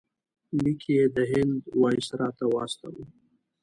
لیک یې د هند وایسرا ته واستاوه.